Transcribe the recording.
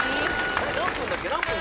あれっ？何分だっけ？